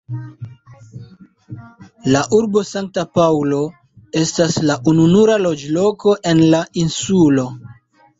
La urbo Sankta Paŭlo estas la ununura loĝloko en la insulo.